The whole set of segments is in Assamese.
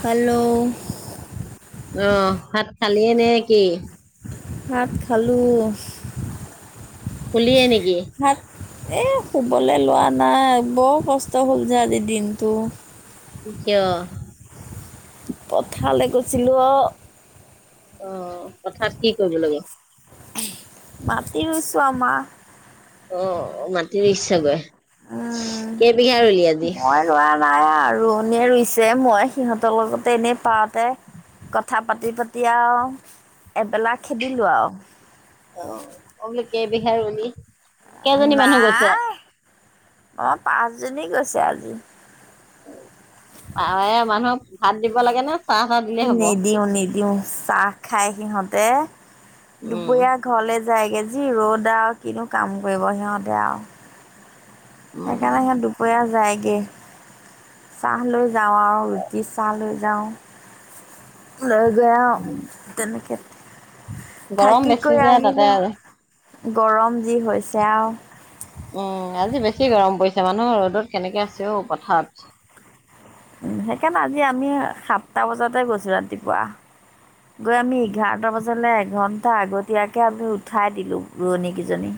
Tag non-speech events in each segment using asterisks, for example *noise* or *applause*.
খালোঁ অহ ভাত খালে নে কি। ভাত খালোঁ। খুলিয়ে নেকি। এ শুবলৈ লোৱা নাই বৰ কষ্ট হ'ল যে আজিৰ দিনটো। *unintelligible* পথাৰলৈ গৈছিলো অ'। অ' পথাৰত কি কৰিব লৈ‌ গ মাটি গোচোৱা আমা অ' অ' মাটিৰ ৰুই চা গৈ। উম, কেই বিঘা ৰুলি আজি? ৰুৱনীয়ে ৰুইছে মই সিহঁতৰ লগতে এনেই পাতে কথা পাতি পাতি আৰু। এবেলা খেদিলোঁ আৰু। কে বিঘা ৰুলি? কেইজনী মানুহ গৈছে? নাই, মই পাঁচ পাচঁজনী গৈছে আজি। অ' এয়া মানুহক ভাত দিব লাগে ন? নিদিও নিদিও, চাহ খাই সিহঁত। তে উম, দুপৰীয়া ঘৰলে যায়গৈ যি ৰ'দ আৰু কিনো কাম কৰিব সিহঁতে আও। উম। সেইকাৰণে সিহ দুপৰীয়া যায়। গে, চাহ লৈ যাওঁ আৰু ৰুটি চাহ লৈ যাওঁ। লৈ গৈ অও তেনেকে গৰম থাকি বেছি কৈ যে তাতে আহিলো। আৰু। গৰম যি হৈছে আৰু। উম আজি বেছি গৰম পৰিছে মানুহ ৰ'দত কেনেকে আছে অ' পথাৰত। উ সেইকাৰণে আজি আমি সাতটা বজাতে গৈছো ৰাতিপুৱা। গৈ আমি এঘাৰটা বজাত আচ এঘণ্টা আগতীয়াকৈ আমি উঠাই দিলোঁ, ৰোৱনীকেইজনী।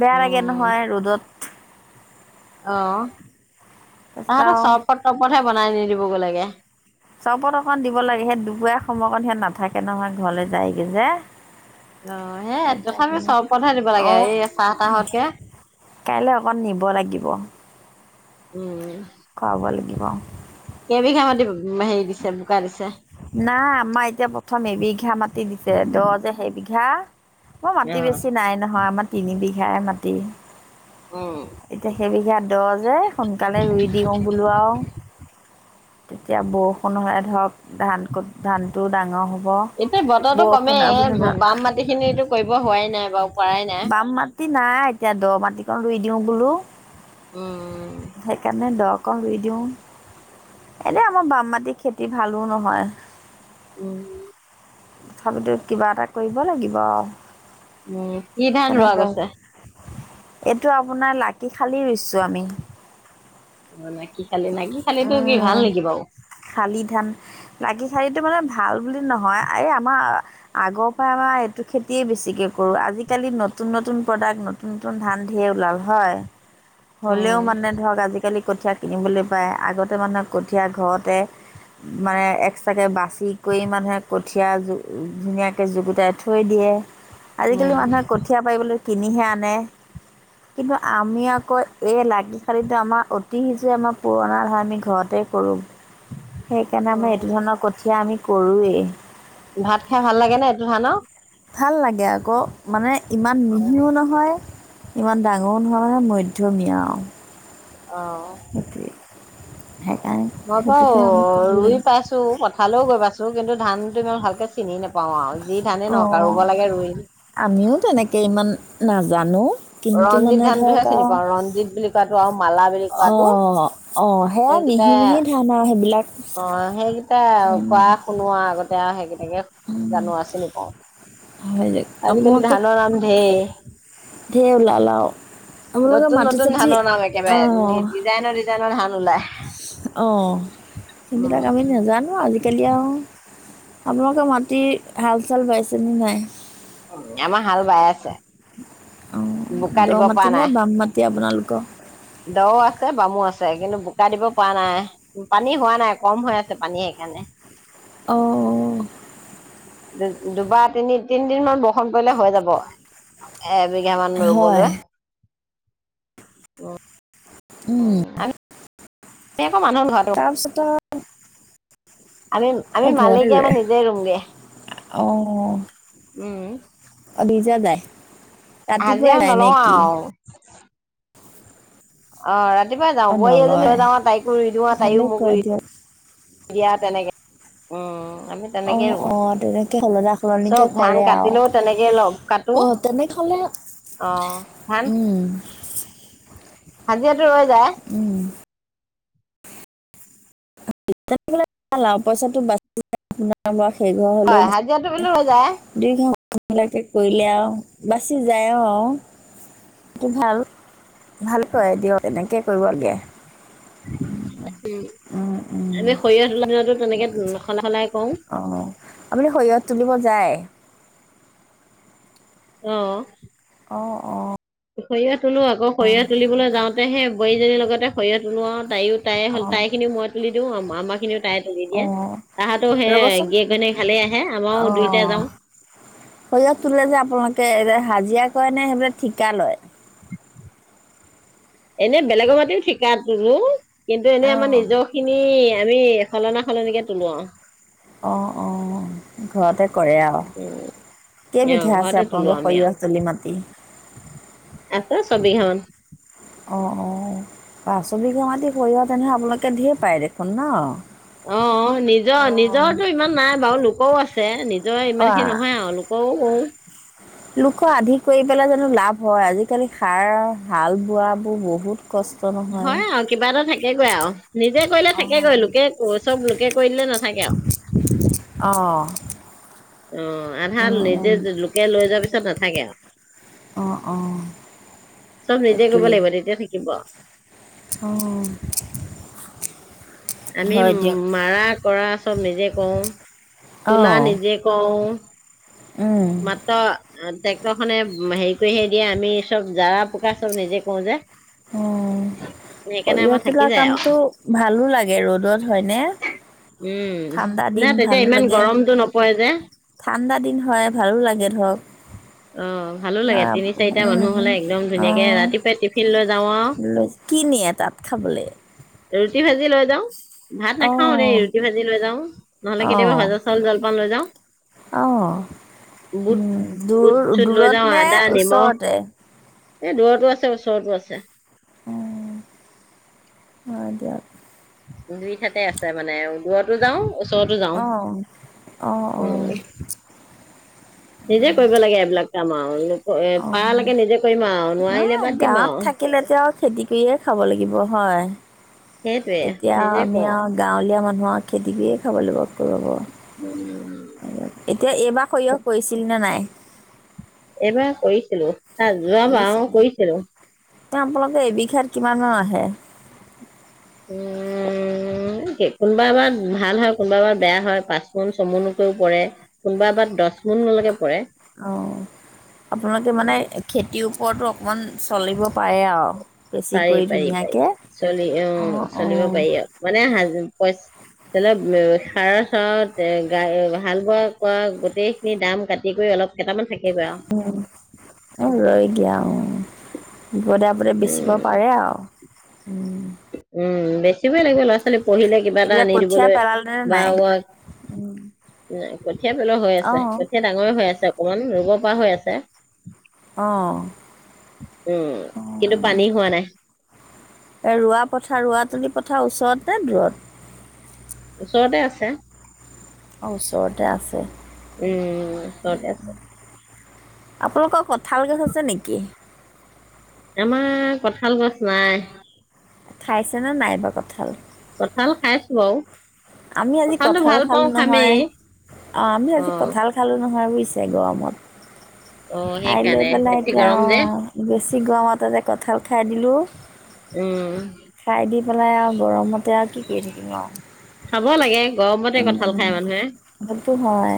বেয়া লাগে উম, নহয় ৰ'দত। অ'। তাৰপিছত তাহাঁতৰ আৰু চৰবত তৰবতহে বনাই দিলোঁ। *unintelligible* লাগে। চৰবত অকণ দিব লাগে, সেই দুপৰীয়া সময় অকণ সিহত নাথাকে নহয় ঘৰলে যায়গৈ যে। অ' সেইয়াই এটা তথাপিও বিল- চৰবত হে দিব লাগে অ' এই চাহ তাহতকে। কাইলৈ অকণ দিব লাগিব। উম। খোৱাব লাগিব। কেবিঘা মাটি হেৰি দিছে, বোকা দিছে? নাই আমাৰ এতিয়া প্ৰথম এবিঘা মাটি দিছে দ' যে, সেইবিঘা মই মাটি অ'। বেছি নাই নহয়, আমাৰ তিনি বিঘ সেয়াই মাটি উম, এতিয়া সেইবিঘাত দহ যে। সোনকালে ৰুই দিওঁ বোলো আৰু। তেতিয়া বৰষুণলে ধৰক ধান ক'ত ধান টো ডাঙৰ হ'ব। এতিয়া বতৰো বৰষুণ কমেই বাম মাটি খিনিটো কৰিব হোৱাই নাই। বাৰু পৰাই নাই। বাম মাটি নাই এতিয়া দ' মাটি লৈ দিওঁ বোলো। উম, সেইকাৰণে দক কৰিই দিওঁ এনেই আমাৰ বাম মাটিৰ খেতি ভালো নহয়। উম। তথাপিতো কিবা এটা কৰিব লাগিব। উম, কি ধান ৰোৱা সেইকাৰণে দহ গৈছে? এইটো আপোনাৰ লাকি হালী ৰুইছো আমি। অ', নাকি খালে নাকি খালেতো কি ভাল উম, নেকি বাৰু? শালি ধান লাগি শাৰীটো মানে ভাল বুলি নহয়। এই আমাৰ আগৰ পৰা আমাৰ এইটো খেতিয়ে বেছিকে কৰোঁ আজিকালি নতুন নতুন প্ৰডাক্ট নতুন নতুন ধান ধেৰ ওলাল হয়। হ'লেও উম, মানে ধৰক আজিকালি কঠীয়া কিনিবলৈ পায় আগতে মানুহে কঠীয়া ঘৰতে মানে এক্সট্ৰাকৈ বাচি ল'বলৈ কৰি মানুহে কঠীয়া জু ধুনীয়াকৈ জুগুটাই থৈ দিয়ে। উম, আজিকালি মানুহে কঠীয়া পাৰিবলৈ কিনিহে আনে, কিন্তু আমি আকৌ এই লাগিশালীটো আমাৰ অতি সিজে আমাৰ পুৰণা হয় আমি ঘৰতে কৰোঁ। সেইকাৰণে আমাৰ এইটো অ', ধৰণৰ কঠিয়া আমি কৰোৱেই। ভাত খাই ভাল লাগে নে এইটো ধানৰ? ভাল লাগে আকৌ, মানে ইমান মিহিও নহয় ইমান ডাঙৰ নহয় মধ্যমীয়া আৰু। অ', অকে। *inaudible* মই বাৰু ৰুই পাইছো পথাৰলৈ গৈ পাইছো কিন্তু ধানটো ইমান ভালকে চিনি নাপ অ', আমিও তেনেকে ইমান নাজানো। কিন্তু মানে ৰঞ্জিত ধৰক ধানটোহে চিনি আৰু পাওঁ, ৰঞ্জিত বুলি কোৱা ৰম মালা বুলি কোৱাটো অ' অ' সেয়া সেইকেইটা, মিহি মিহি ধান আৰু সেইবিলাক। অ সেইকেইটা উম, কোৱা শুনো আৰু আগতে আৰু সেইকেইটা তাকে উম, জানো আৰু চিনি পাওঁ হয় দিয়ক। আজিকালি আপোনালোকে ধানৰ নাম ঢেৰ, ঢেৰ ওলাল আৰু। আপোনালোকে নতুন মাটি নতুন চাটি ধানৰ নাম একেবাৰে ডিজাইনৰ ডিজাইনৰ ধান তলা অ সেইবিলাক, আমি নাজানো আজিকালি আৰু। আপোনালোকৰ মাটিৰ হাল চাল বাইছেনে নাই? উম, আমাৰ হাল বাই আছে। অঁ বোকা দ দিব পৰা মাটি নে নাই, বাম মাটি আপোনালোকৰ দ আছে, বামো আছে কিন্তু বোকা দিব পৰা নাই, পানী হোৱা নাই কম হৈ আছে পানী সেইকাৰণে অঁ দু দুবাৰ, তিনি তিনিদিন মান বৰষুণ পৰিলে হৈ যাব, এ বিঘা মান হয় ৰুবলৈ, উম। উম। এ মানুহৰ ভৰাটো আমি, আমি আৰু ঘৰতে মালিকে ৰুৱে আমাৰ নিজে ৰুংগে উম। অভিযা যায় *unintelligible* আজি ৰাতিপুৱাই আৰু যায় নলওঁ, নে কি আৰু অ। ৰাতিপুৱা যাওঁ, অঁ বোৱাৰী এজনী নলয় লৈ যাওঁ, তাইকো ৰুই দিওঁ, তাইও ভালেই মোক কৰে ৰুই দিয়ক দিয়ে। দিয়া, তেনেকে। উম আমি তেনেকে অহ, ৰুওঁ অহ, তেনেকে সলনা-সলনিকে চব ধান কৰে, আৰু, কাটিলেও তেনেকে ল কাটো আৰু তেনে হলে, অ উম, হাজিৰা ৰৈ যায়। পইচাটো *unintelligible* হয়, হাজিৰাটো বোলো ৰৈ যায়। বিলাকে কৰিলে আৰু বাচি যায় আৰু আৰু সেইটো ভাল। ভাল পোৱাই দিয়ক, তেনেকে কবাৰগ *unintelligible* *unintelligible* উ', উম, আমি সৰিয়হ তোলা দিনতো তেনেকে সলাই সলাই কৰো অ, আপুনি সৰিয়হত তুলিব যায়? অহ। অ। অ। সৰিয়হ তোলো, আকৌ সৰিয়হ তুলিবলৈ যাওঁতেহে বোৱাৰীজনীৰ লগতে সৰিয়হ তোলো, আৰু তাইয়ো-তাই-তাই খিনি মই তুলি দিওঁ‌ আৰু আ-আমাক অ', ৰ'বচোন, গিৰিয়েক ঘৈণীয়েক ভালেই আহে আমাৰো দুইটা যাওঁ অ', সৰিয়হ তোলে যে, আপোনালোকে এ হাজিৰা কৰেনে, সেইবিলাক ঠিকা লয়? এনেই বেলেগৰ মাটিও ঠিকাত *unintelligible* কিন্তু এনেই, আমাৰ অঁ নিজৰখিনি আমি সলনা, সলনিকে তোলোঁ আৰু। অ', অ', ঘৰতে কৰে আৰু উম অ কেইবিঘা আছে ঘৰতে তোলো আপোনালোকৰ আমি সৰিয়হ আৰু তলি মাটি? আছে ছবিঘা মান অ', অ', বা ছবিঘা মাটি সৰিয়হ তেনেহ'লে আপোনালোকে ধেৰ পায় দেখোন ন? অ', নিজৰ, অঁ নিজৰটো ইমান নাই বাৰু, লোকও আছ চে, নিজ নিজৰে ইমানখিনি অঁ নহয়, আৰু লোকৰো কৰোঁ। লোকৰ আধি কৰি পেলাই জানো লাভ হয়? আজিকালি সাৰ হাল বোৱাবোৰ বহুত কষ্ট নহয় হয়, আৰু কিবা এটা থাকেগৈ আৰু নিজে কৰিলে অঁ থাকেগৈ লোকে চব লোকে কৰি দিলে নাথাকে অঁ আৰু। অ', আধা অঁ নিজে লোকে লৈ যোৱাৰ পিছত নাথাকে আৰু। অ', অ', চব নিজে কৰিব তাকে লাগিব তেতিয়া থাকিব অ'। আমি মাৰা কৰা চব নিজে কৰোঁ। তোলা অঁ নিজে কৰোঁ। অঁ মাত্ৰ ট্ৰেক্টৰখনে হেৰি কৰিহে দিয়ে, আমি চব জাৰা পোকা চব নিজে কৰো যে অ', সেইকাৰণে সৰিয়হ আমাৰ থাকি তোলা যায় আৰু কামটো ভালো লাগে ৰ'দত হয়নে? উম, ঠাণ্ডা না দিন তেতিয়া ভালো ইমান লাগে গৰমটো নপৰে যে ঠাণ্ডা দিন হয়, ভালো লাগে ধৰক। অ', ভালো লাগে হয় তিনি, চাৰিটা মানুহ উম হ'লে একদম অ ধুনীয়াকে ৰাতিপুৱাই টিফিন লৈ যাওঁ আৰু। লৈ কি নিয়ে তাত খাবলে? ৰুটি, ভাজি লৈ যাওঁ। ভাত অ নাখাওঁ দেই ৰুটি, ভাজি লৈ যাওঁ, নহ'লে কেতিয়াবা ভজা চাউল জলপান লৈ যাওঁ। *inaudible* অহ, বুট উম দ বুট চুট লৈ যাওঁ দূৰত নে আদা নিমখ ওচৰতে? এই দূৰতো আছে, ওচৰতো আছে। অ দিয়ক। দুই ঠাইতে আছে। মানে দূৰতো যাও, অহ-অহ-অহ। উম নিজে কৰিব লাগে এইবিলাক। কাম আও। অ' ন বাদ দিম গাঁৱত আৰু থাকিলেটো আৰু খেতি কৰিয়ে খাব লাগিব হয়। সেইটোৱে এতিয়া নিজে আমি কওঁ আৰু গাঁৱলীয়া মানুহ। গাঁৱত খেতি কৰিয়ে খাব লাগিব। এতিয়া এইবাৰ সৰিয়হ কৰিছিল নে নাই? এইবাৰ কৰিছিলো। হ যোৱা বাৰু কৰিছিলে কৰিছিলো। আপোনালোকে এবিঘাত কিমান মান আহে? কোনোবা এবাৰ ভাল হয়, কোনোবা এবাৰ বেয়া হয়, পাঁচ মোন ছমোনকৈও পৰে, কোনোবা এবাৰ দহ মোনলৈকে পৰে। অ' আপোনালোকে মানে খেতিও, ওপৰটো অকণমান চলিব পাৰে আৰু। বেছি কৰি পাৰি-পাৰি-পাৰি ধুনীয়াকে অ চলি অ অ চলিব পাৰি আৰু মানে হাজ পইচা। সাৰৰ চাৰত গা হাল বোৱা কৰা গোটেই খিনি দাম কাটি কৰি অলপ কেইটামান থাকি উ অ হৈ দিয়া আও। বিপদে অপদে বেচিব উম, পাৰে আও। উম, বেচিবই লৰা-ছোৱালী পঢ়িলে কিবা এটা এইবিলাক আনি কঠীয়া দিবলৈ পেলালে নে বা নাই উম কঠীয়া পেলোৱা হৈ অ আছে কঠীয়া ডাঙৰে হৈ আছে। অকন ৰুব পৰা হৈ আছে। অ উম' কিন্তু পানী হোৱা নাই। এ ৰোৱা পথাৰ ৰোৱাতুলি পথাৰ ওচৰত তে দূৰত ওচৰতে আছে। অ' ওচৰতে আছে। উম' ওচৰতে আছে। আপোনালোকৰ কঁঠাল গছ আছে নেকি? আমাৰ কঠাল গছ নাই। খাইছে নে নাই এইবাৰ কঁঠাল। কঁঠাল খাইছো আও। আমি আজি কঁঠাল খালো নহয়, আ আমি আজি অ', কঁঠাল খালো নহয় বুইছে। এ গৰমত। অ', খাই লৈ সেইকাৰণে পেলাই বেছি এতিয়া গৰম অ, যে। বেছি গৰমতে যে কঁঠাল খাই। দিলোঁ। উম। খাই দি পেলাই আৰু গৰমতে আৰু কি কৰি থাকিম আৰু। খাব লাগে। গৰমতে উম কঁঠাল খায় মানুহে, সেইটো হয়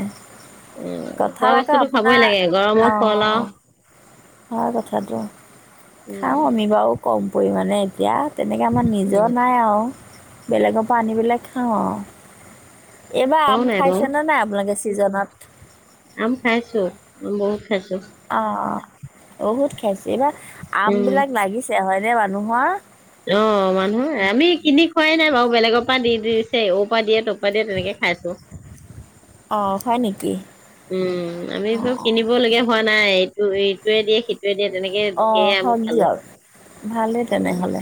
অ কঁঠাল খোৱা আকৌ বস্তুটো খাবই আপোনাৰ লাগে গৰমৰ ফল অঁ আও। হয় কথাটো, খাওঁ আমি বাৰু কম প পৰিমাণে এতিয়া। তেনেকে আমাৰ নিজৰ উম, নাই আও। বেলেগৰ পৰা আনি পেলাই খাওঁ আও। এইবাৰ খোৱাও আম নাই বাৰু। খাইছে নে নাই আপোনালোকে? সিজা ভাট। আম খাইছো বহুত খাইছো। অ', বহুত খাইছো এইবাৰ আম উম, বিলাক লাগিছে হয় *unintelligible* মানুহৰ অ', মানুহ আমি কিনি খোৱাই নাই বাৰু। বেলেগৰ পা দি দিছে ওপা দিয়ে তপা অ' হয় নেকি? উম, আমি অঁ *unintelligible* অঁ কিনিব লগীয়া হোৱা হোৱা নাই ইটোয়ে দিয়ে সিটোৱে দিয়ে তেনেকে ধেৰ অ' আম হক খালো দিয়ক ভালেই তেনেহলে।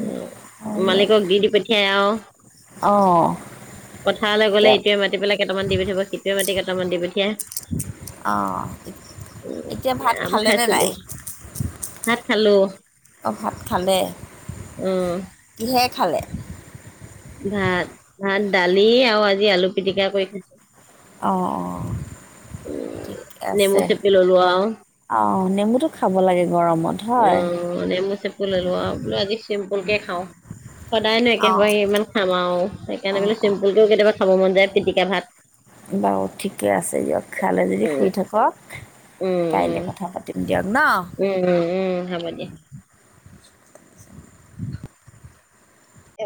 উম, হয় দিয়ক মালিকক দি, দি পিন *unintelligible* অঁ পথাৰলে এতিয়া গ'লে ইটোৱে মাতি পেলাই কেইটামান দি পঠাব সিটোৱে মাতি কেইটা কেইটা মান দি পঠিয়াই। অ এতিয়া ভাত আম খালেনে খাইছিলো নাই ভাত খালোঁ অ ভাত খালে উম কিহেৰে খালে ভাত ভাত দালি আও আজি আলু পিটিকা কৰি খাইছোঁ অ অ ঠিকে নেমু আছে চেপি ললো আৰু অ নেমুটো খাব লাগে গৰমত হয় উম নেমু চেপি ললোঁ আও বোলো আজি চিম্পুলকে খাও সদায় নো অঁ একেসোপাকে কিমান খাম আও সেইকাৰণে অঁ বোলো অঁ চিম্পুলকেও কেতিয়াবা খাব খাব মন যায় পিটিকা ভাত বাৰু ঠিকে আছে দিয়ক খালে যদি উম শুই থাকক উম উম কাইলে কথা পাতিম দিয়ক। ন উম উম উম হব দিয়া *unintelligible* *inaudible* অ